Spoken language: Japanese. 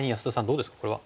どうですかこれは。